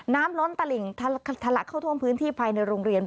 ล้นตลิ่งทะลักเข้าท่วมพื้นที่ภายในโรงเรียน